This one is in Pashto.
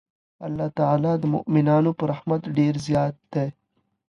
الله تعالی د مؤمنانو په رحمت ډېر زیات دی.